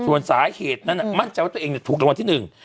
ส่วนสาเหตุนั้นมั่นใจว่าตัวเองเนี่ยถูกรางวัลที่หนึ่ง